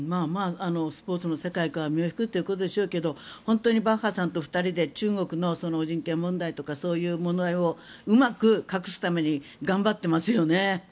スポーツの世界から身を引くということでしょうけど本当にバッハさんと２人で中国の人権問題とかそういう問題をうまく隠すために頑張ってますよね。